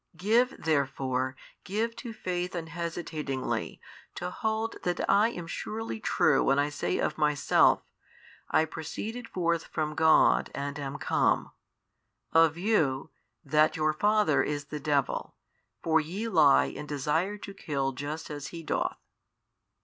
Give therefore give to faith unhesitatingly to hold that I am surely True when I say of Myself, I proceeded forth from God and am come, of you that your father is the devil, for ye lie and desire to kill just as he doth.